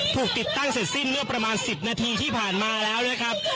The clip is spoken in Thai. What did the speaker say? ถูกติดตั้งเสร็จสิ้นเมื่อประมาณ๑๐นาทีที่ผ่านมาแล้วนะครับ